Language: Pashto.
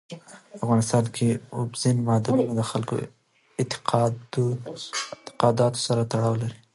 په افغانستان کې اوبزین معدنونه د خلکو د اعتقاداتو سره تړاو لري.